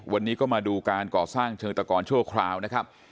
วันนี้ก็มาดูการก่อสร้างเชิงตะกอนชั่วคราวนะครับ